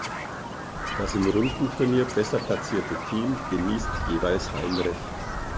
Das im Rundenturnier besser platzierte Team genießt jeweils Heimrecht.